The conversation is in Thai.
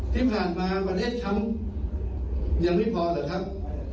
ที่ผ่านมาประเทศเขายังไม่พอเหรอครับ